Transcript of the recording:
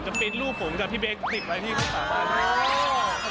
ผมจะปริ้นรูปผมจากพี่เบเมคป์๑๐นัทที่คุณพาบ้าน